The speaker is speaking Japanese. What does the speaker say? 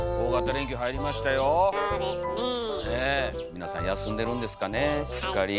皆さん休んでるんですかねしっかり。